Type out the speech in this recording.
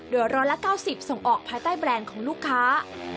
โดย๑๙๐ส่งออกภายใต้แบรนด์ของลูกค้า